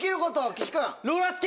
岸君。